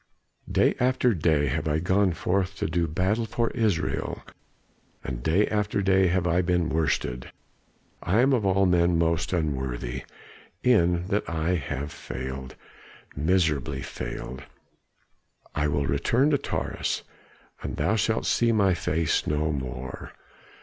Day after day have I gone forth to do battle for Israel, and day after day have I been worsted. I am of all men most unworthy, in that I have failed miserably failed. I will return to Tarsus, and thou shalt see my face no more."